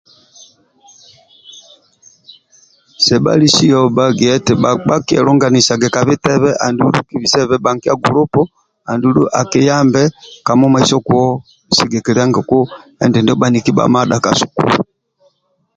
Sebhalisio bhagia eti bhakpa kielunganisage ka bitebe andulu kibisebe hanikia gulupu andulu akiyambe ka mumaiso kuwo sigikilia nesi ngonku endindi bhaniki bhamadha ka sukulu